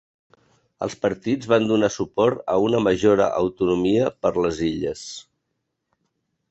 Els partits van donar suport a una majora autonomia per les illes.